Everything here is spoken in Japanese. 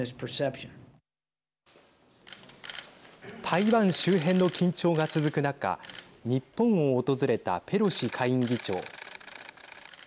台湾周辺の緊張が続く中日本を訪れたペロシ下院議長。